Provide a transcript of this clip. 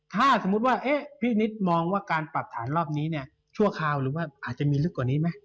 ถ้าสมมุติว่าพี่นิดมองว่าการปรับฐานรอบนี้เนี่ยชั่วคราวหรือว่าอาจจะมีลึกกว่านี้ไหม